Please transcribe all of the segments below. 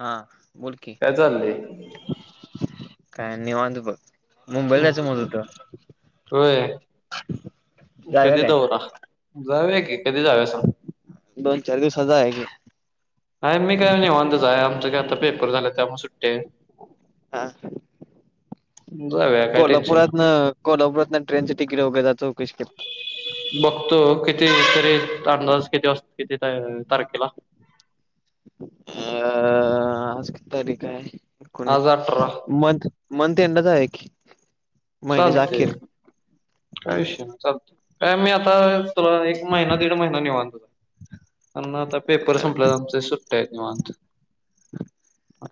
हा बोल की काय चाललंय काय निवतू बघ मुंबईला जायचं मत होत हो जायला कधी काय? दौरा जावे की कधी जावे सग दोन चार दिवसाचा आहे की नाही मी काय नाहीवतच आहे आमचं काय आता पेपकरर झालं त्यामुळे सुट्टते आ जाऊया काय टेन्शन कोल्हापुरात नाही ना कोल्हापुरात ना ट्रेनचं तिकीट वगैरे जा चौकशी बघतो किती तरी अंदाज किती वाजतो किती तारखेला अ आज तारीख आहे आज एकोणीस अठरा मध मणथ एंडाच आहे की महिन्याच्या चालते अखेर आयुष्य त काय मी आता तुला एक महिना दीड महिना निवन आ पेपर संपलं आमचे सुट्टा आहेत किवाां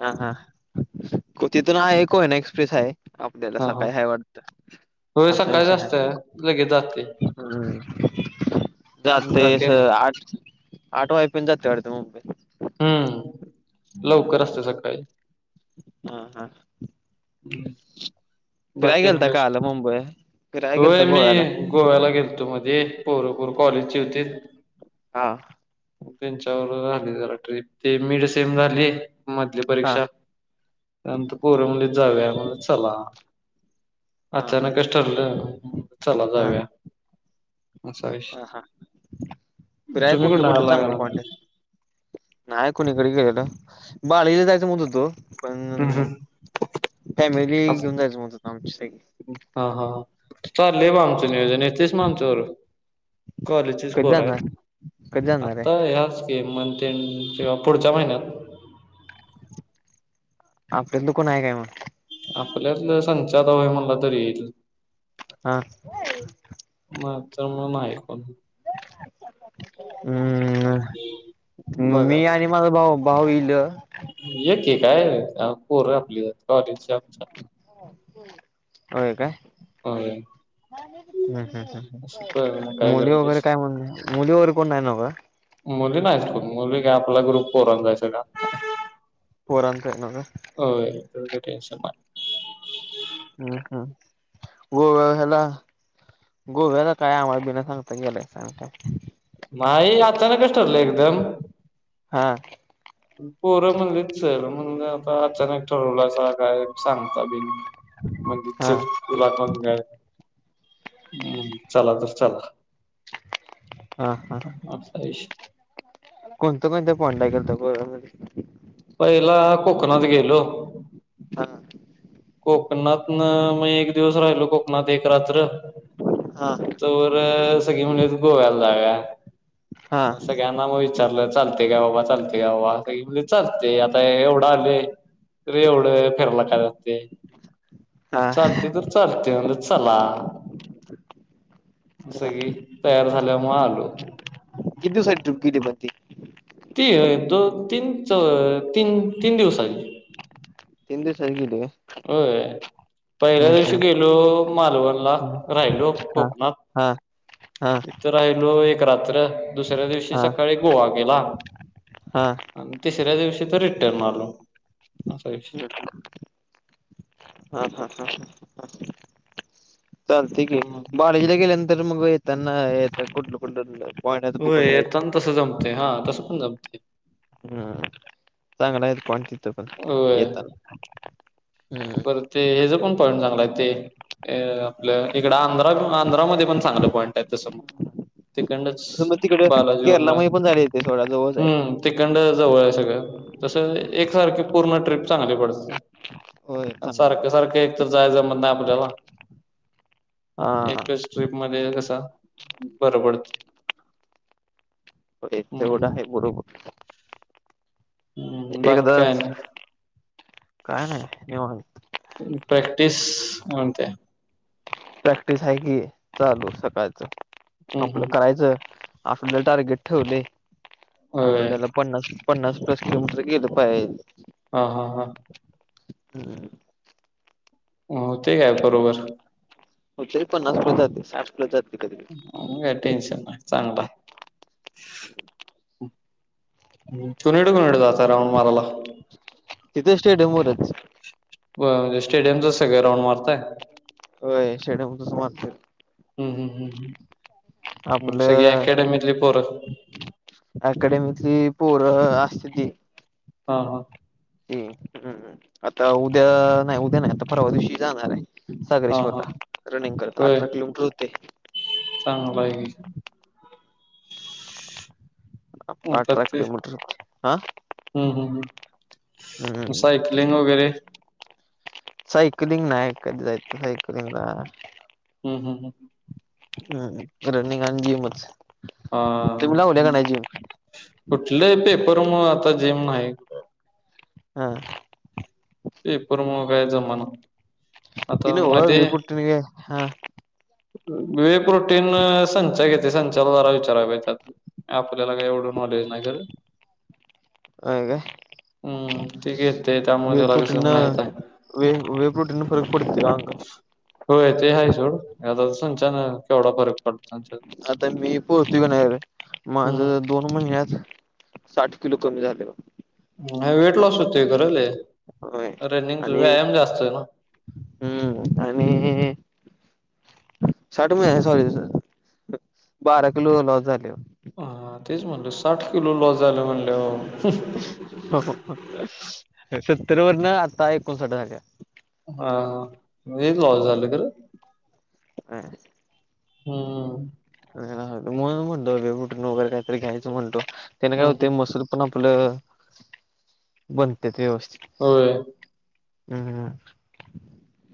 हा हा तिथून आहे कोय ना एक्सप्रेस आहे आपल्याला हा हा सकाळी ह वाटत होय असा सकाळीच विषय असतंय आहे लगेच जातंय. हम् बाकी जास्त आणि आठ आठ वाय पण जात वाडते मुंबई हम्म लवकर असते सकाळी हा हा फिराय बाकीन गेलता कस काल मुंबई फिराय गेलता होय मी गोव्याला गोव्याला गेल तो मध्ये पोरपोर हम्म. कॉलेजचे होती हा त्यांच्यावर झाली जरा ट्रीप ते मीड सेम झाली मधली हा परीक्षा त्यांतर पोर म्हंतलीत जावूया म्हटल चला हा ह अचानक कस ठरलं चला हा जाव्या हा हा फिराय तुम्ही कुठलं कुठनं कुठलं आला चांगलं पॉईंट हम्म नाही कोणी इकडे गेलेलं बाळला जायचं म्ह तो पण हम् हम फॅमिली घेऊन जायचं म्हत होत आमच्या स चालले आहे बा आमचं नियोजन येत तेस मग आमचंवर कॉलेजस कधी पोर आहेत जाणार कधी जाणार आता आहे ह स्कीम मं किंवा पुढच्या महिन्यात आपल्या दुकन आहे काय मग आपल्यात संचारय म्हणला तरी येईल हा नाही तर मगकण हम् मी आणि माझ भाऊ भाऊ इईल एके काय पर आपली कॉलेजमच्या होय काय होय ह् ह असं बघ मग काय मुली वगैरे करतेस काय म्हण मुली वगैरे कोण नाही नव काय मुली नाही स्कूल मुली काय आपला ग्रुप पोरन जायचं का पोरण कर ना हो तुम टनशन मा हम् हम गो वळ हला गोव्याचा काय आमला बि नाही सांगता गेला सांगता माई अचानकस ठरलं एकदम हा पोरं म्हणटली चल म्हणजे आता अचानक ठरवलं अस काय सांगता बि मज हा तुलाकून घय हम् चला तर चला हा हा अपसायश कोणत कोणत्या पॉईंटला गेलता गोव्यामध्ये पहिला कोकणात गेलो कोकणातन मग एक दिवस राहिलो कोकणात एक रात्र हा तवर सगळी म्हणलीत गोव्याला जाऊया हा मग सगळ्यांना मग विचारलं चालतंय का बाबा, चालतंय का बाबा सगळी म्हणलीत चालतंय आता एवढं आलोय तर एवढं फिराला काय जातंय हा चालतंय तर चालतंय म्हणलं चला मग सगळी तयार झाल्यामुळं आलो. किती दिवसाची ट्रिप केली पण ती? ती दोन तीन च तीन तीन दिवसाची तीन दिवसाची केली होय होय पहिल्या दिवशी हम्म गेलो मालवणला, हम्म राहिलो हा कोकणात. हा हा तिथं राहिलो एक रात्र दुसऱ्या दिवशी हा सकाळी गोवा केला. हा. आणि तिसऱ्या दिवशी तो रिटर्न आलो असा वि हा हा हा ह हा. चालतय की कॉलेजला गेल्यानंतर मग येताना येत कुठलं कुठलं. पॉईंट आहेत होय बघून यायचं येताना मग तसं जमते हा तसं पण जमते. हम् चांगला आहे कोण तिथं पण होय येताना हम्. ते हेज पण पॉईंट चांगला आहे ते अ आपलं इकड आंध्रा आंध्रामध्ये पण चांगलं पॉईंट आहे तसं मग तिकंडनच मग तिकडे बालाजी केरला वरनं मध्ये पण जायला येतंय सोडा जवळच आहे हूं. तिकंडनं जवळ आहे सगळं तसं एकसारखी पूर्ण ट्रीप चांगली पडत्या. होय चांगलं पण सारखं सारखं एक तर जायचं जमत नाही आपल्याला हा एकच ट्रीप मध्ये कसं बरं पडतय. एक तेवढं हम्म आहे बरोबर हम्म, बाकी काय एकदाच नाही काय न्हाय निवांत प्रॅक्टिस काय म्हणतय. प्रॅक्टिस आहे कि चालू सकाळचं हम्म आपलं हम्म करायचं. आपलं टारगेट ठेवलंय होय आठवड्याला पन्नास पन्नास प्लस किलोमीटर गेलं पाहिजे. ह हा हा. हुं. मग होतय काय बरोबर. हुतंय पन्नास प्लस जातंय, साठ प्लस जातंय कधी कधी मग काय टेन्शन नाहि चांगलं आहे. [unintelligible] कुणीकडं कुणीकडं जाताय राऊंड माराला तिथे स्टेडियमवरच होय म्हणजे स्टेडियमचं सगळ राऊंड मारताय? होय स्टेडियमचच मारत्यात. हुं हुं हुं मग सगळी अकॅडमीतली पोर. अकडमीतली पोर असत्याती. हा हा. हम्म हम्म आता उद्या नाही, उद्या नाही आता परवा दिवशी जाणार आहे. हा हा सागरेश्वरला रनिंग करत अठरा किलोमीटर हुतंय. होय. म्हणतात अठरा ते किलोमीटर हा. हम्म हम् ह हम्म सायकलिंग वगैरे सायकलिंग नाही कधी जायचं सायकलिंगला हम् हम् हम. हम्म रनिंग अन जिमच. हा तुम्ही लावल्या का नाही जिम कुठले पेपर म आता जेम नाही. हा. ते पर मग काय जमाना. तन आता ह मध्ये विपुटने हा. विेक रोटीन संचा घेते संचाला जारा विचारा त्यात. आपल्याला काय एवढं नॉलेज नाही खरं. होय काय हम् ठीक ते वे त्यामुळेण लागेच. प्रोटीन वे वे प्रोटन पररगपतीला. होय ते ह सोड आता संचान केवढा फरक पडो. आता मी पोहोचली नाही माझ. दोन महिन्यात साठ किलो कमी झाले हो. वेट लॉस होतेय खरं लई होय रनिंगचा व्यायाम जास्त आहे ना हुं आणि साठ महिन्याचे सॉरी कसं बारा किलो लॉस झाल्यावर ह तेच म्हणले साठ किलो लॉस झाला म्हणल्यावर सत्तर वरन आता एकोणसाठ झाल्यात हा हा म्हणजे लॉस झालं झाल्या खरं हुं म म्हणतोे बुटून वगैरे काहीतरी घ्यायचं म्हणतो तेना काय हम्म होते हम्म मसूर आपण आपलं बनते ते व्यवस्थित. होय. हम्म हम्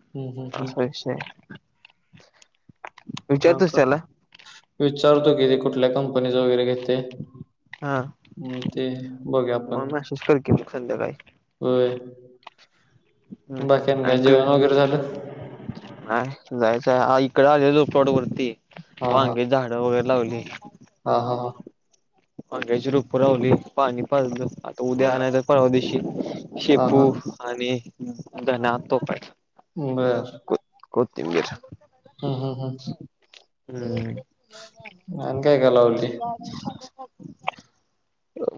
हम्म हम्म शय शय हा काय विचारतो किती कुठल्या कंपनीच वगैरे घेते. हा हम् ते बघू आपण. मग मेसेज कर की मग संध्याकाळी होय हम्म बाकीयान हम्म काय आणि क जेवण वगैरे झालं. नाही जायचं आहे इकडे आले आलो प्लॉट वरती हा हा वांगे झाड वगैर लावली. हा हा ह अंग्याची रूप पुरवली पाणी पाजलं आता उद्या आण बर नाही तर परवादिवशी हा हा शेपू आणि धना तोपाय. बरर कोथिंबीर हा हा हा हम्म अन काय लावल.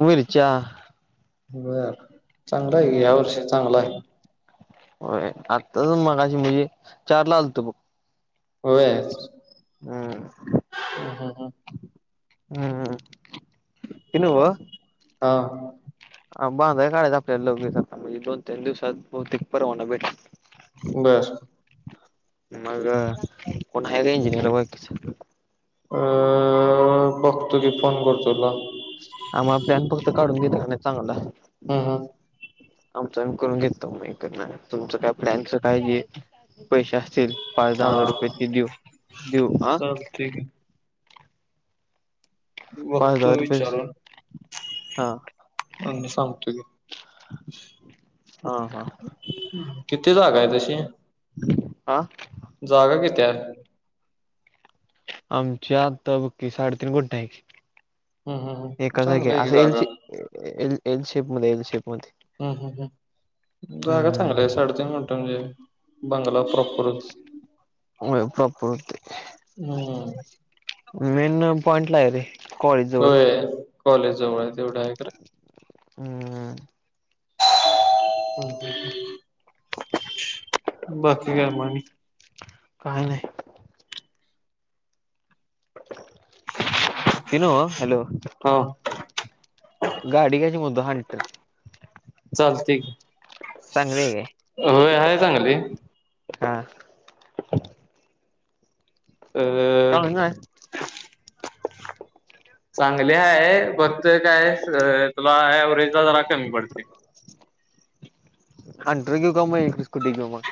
मिरच्या बर चांगलं आहे या वर्षी चांगलं आहे. हो आत्ताचून मगाशी म्हणजे चार ला आलतो बघ. हो ह हम्म ह हम्म हम येनव. हां ह बांधा काढाचं आपल्याला लगेचता म्हणजे दोन तीन दिवसात बहुतेक परवाना भेटा. बस मग कोण आहे का इंजिनियर कस? अ फक्तो की फोन कर तुला आ म आप्लॅन फक्त काढून घेत का नाही चांगला हम्म आमचं आम्ही करून घेतो मग तुमचं काय प्लॅनचं काय पैसे असतील पाच दहा हा हजार रुपये ते देऊ देऊ ह ठीक आहे पाच बघतो हजार रुपये विचारून हा आणि सांगतो की हा हा किती जागा आहे तशी हा जागा किती आहे हम्म आमच्या आता बकी साडेतीीन कोुठ हम्म आहे हम्म एका जाग चांगलं आहे की असं जागा येलची हम्म ए एल शेप मध्ये एल शेप मध्ये हम् हम् ह जागा चांगल्या आहे हम्म साडतीन म्हणत म्हणजे बंगाला प्रॉपर वपपते हम्म मेन पॉइंट ला आहे रे कॉलेज जवळ होय कॉलेजजवळ आहे तेवढं आहे खरा हम्म! बाकी काय मग? काही नाही. इनो हॅलो! हा! गाडी घ्याची म्हणत होतो हंटर! चालतंय! चांगली आहे की! आहे चांगली आ चांगली नाय? चांगली आहे फक्त काय तुला वर्हेज जरा कमी पडते. हंटर घेऊ का म एक स्कुट घेऊ मग?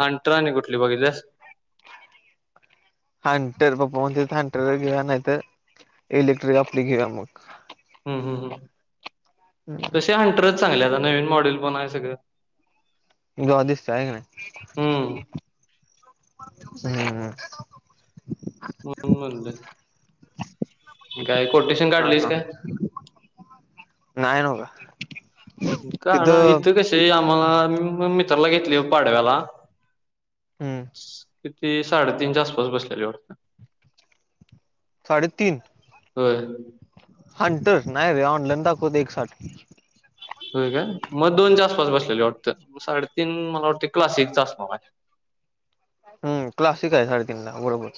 हंटर आणि कुठली बघिलियास? हंटर पप्पा म्हण हंटर घेया नाहीतर इलेक्ट्रिक आपली घेऊया मग. हम्म हम् हम तसे हंटर च चांगल्या आता नवीन मॉडेल पण आहे सगळं जोरात दिसत आहे का नाही? हम्म हम्म! म्हणून म्हणलं! काय कोटेशन काढलीस का? नाय न्हव का. काड तिथं इथं कसे आहे आम्हाला मित्राला घेतली पाडव्याला हम्म! किती साडेतीनच्या आसपास बसलेली वाटत. साडे तीन? होय! हंटर नाही रे ऑनलाईन दाखवतय एक साठ हो काय, मग दोनच्या आसपास बसलेले वाटतं म साडेतीन मला वाटते क्लासिक च असणार आहे. हम् क्लासिक आहे साडेतीन ला बरोबर.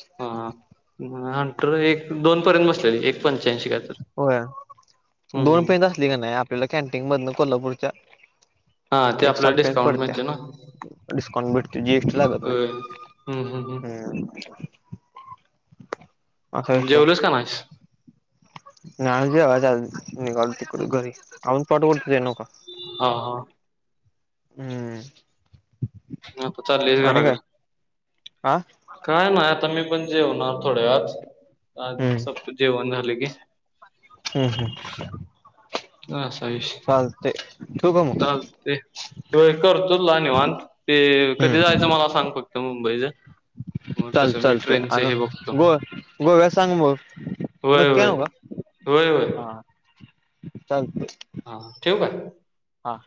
हंटर एक दोन पर्यंत बसलेली एक पंच्याऐंशी का होय दोन पर्यंत असली का नाही आपल्याला कॅन्टीन मधन कोल्हापूरच्या हा ते एक आपल्याला साठ पर्यंत डिस्काउंट पडतीया. मिळते ना डिस्काउंट भेटतो जीएसटी लागत होय नाय. हम्म हम्म जेवलास का नायस? नाही अजून जेवायचं अजून निघालोय तिकड हम्म हम्म घरी अजून पाठ ओढतोय न्हवका. हा हा! हम्म! आता चालायस घराकड? आ? काय नाही आता मी पण जेवणार थोड्या आत आज हम्म स जेवण झाले की हम् हम्! असा विषय ठेवू का मग चालतंय होय करतो तुला निवत, ते कधी हम्म जायचं मला सांग फक्त मुंबईच? मग चाल तसं मी चालते ट्रेनच आणि हे बघतो. गो गोव्या सांग मग होय होय होय होय! चालतय! हा ठेव काय? हा!